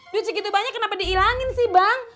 ducing gitu banyak kenapa diilangin sih bang